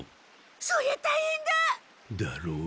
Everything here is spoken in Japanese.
そりゃたいへんだ！だろう？